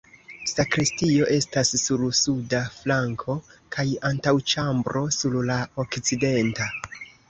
Sakristio estas sur suda flanko kaj antaŭĉambro sur la okcidenta.